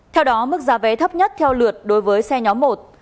theo đó mức giá vé thấp nhất theo lượt đối với xe nhóm một